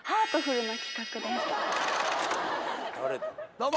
どうも！